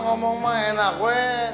ngomong mah enak weh